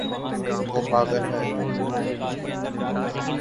وہ پاگل ہے